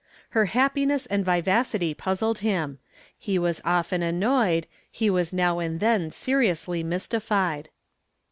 Her happiness and vivacity puzzled him he was often annoyed, he was now and then seriously mystified.